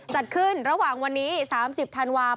จัดขึ้นระหว่างวันนี้๓๐ธันวาคม